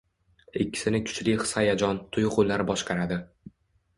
Ikkisini kuchli his-hayajon, tuyg`ular boshqaradi